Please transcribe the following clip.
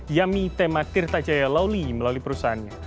yami tema tirtajaya lawli melalui perusahaannya